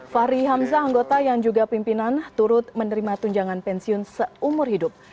fahri hamzah anggota yang juga pimpinan turut menerima tunjangan pensiun seumur hidup